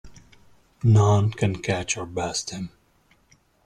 None can catch or best him.